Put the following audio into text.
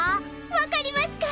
分かりますか？